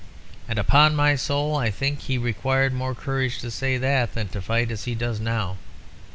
And, upon my soul, I think he required more courage to say that than to fight as he does now.